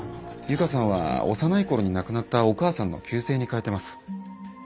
優香さんは幼い頃に亡くなったお母さんの旧姓に変えています。